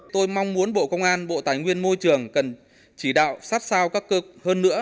tôi mong muốn bộ công an bộ tài nguyên môi trường cần chỉ đạo sát sao hơn nữa